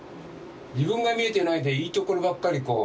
自分が見えてないでいいところばっかりこう。